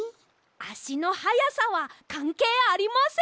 あしのはやさはかんけいありません！